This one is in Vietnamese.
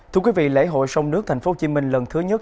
thưa quý vị lễ hội sông nước tp hcm lần thứ nhất